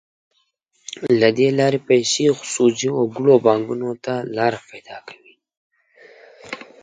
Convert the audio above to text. له دې لارې پیسې خصوصي وګړو او بانکونو ته لار پیدا کوي.